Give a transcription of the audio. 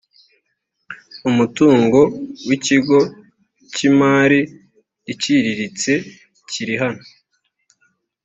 umutungo w ikigo cy imari iciriritse kiri hano